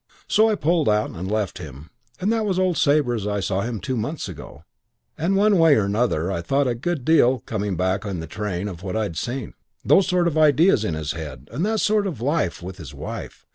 So I pulled out and left him; and that was old Sabre as I saw him two months ago; and one way and another I thought a good deal coming back in the train of what I had seen. Those sort of ideas in his head and that sort of life with his wife.